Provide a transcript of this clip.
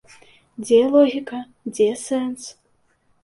Дзе логіка, дзе сэнс?